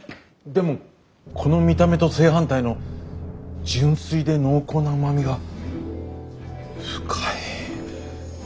でもこの見た目と正反対の純粋で濃厚なうまみが深い。